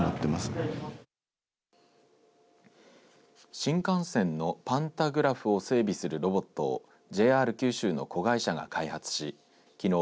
新幹線のパンタグラフを整備するロボットをＪＲ九州の子会社が開発しきのう